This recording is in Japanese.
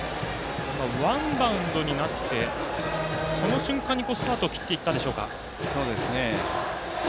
ワンバウンドになってその瞬間にスタートを切っていったでしょうか。